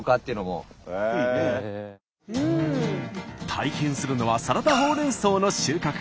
体験するのはサラダほうれんそうの収穫。